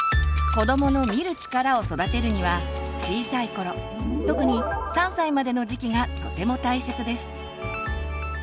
子どもの「見る力」を育てるには小さい頃特に３歳までの時期がとても大切です。